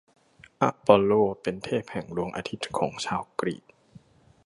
อปอลโล เป็นเทพแห่งดวงอาทิตย์ของชาวกรีก